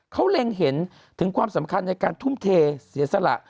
เขาเล็งเห็นถึงความสำคัญในการทุ่มเทเสียสละ